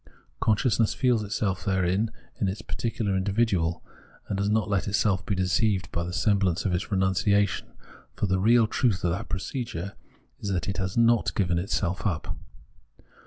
Consciousness feels itself therein as this The Unhappy Consciousness 213 particular individual, and does not let itself be deceived by the semblance of its renunciation ; for the real truth of that procedure is that it has not given itself up.